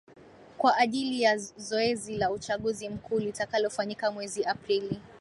kwajili ya zoezi la uchaguzi mkuu litakalofanyika mwezi aprili